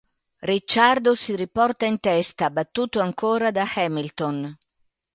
Ricciardo si riporta in testa, battuto ancora da Hamilton.